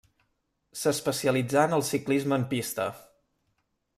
S'especialitzà en el ciclisme en pista.